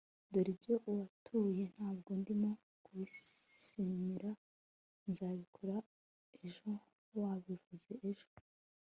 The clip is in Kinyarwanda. Dore ibyo watuye Ntabwo ndimo kubisinyira Nzabikora ejo Wabivuze ejo